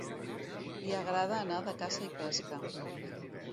Li agrada anar de caça i pesca.